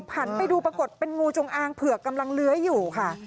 หันไปดูปรากฏเป็นงูจงอางเผือกกำลังเลื้อยอยู่ค่ะ